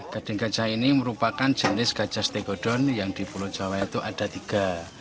gading gajah ini merupakan jenis gajah stegodon yang di pulau jawa itu ada tiga